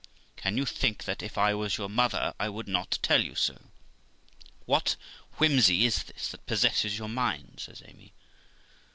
Can you think that, if I was your mother, I would not tell you so? What whimsey is this that possesses your mind?' says Amy.